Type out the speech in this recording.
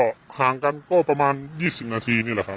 ก็ห่างกันก็ประมาณ๒๐นาทีนี่แหละครับ